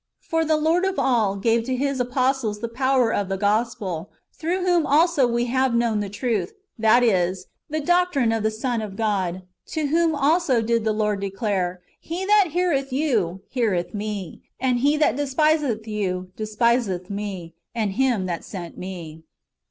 For the Lord of all gave to His apostles the power of the gospel, through whom also we have known the truth, that is, the doctrine of the Son of God ; to whom also did the Lord declare: ^'He that heareth you, heareth me; and he that despiseth you, despiseth me, and Him that sent me."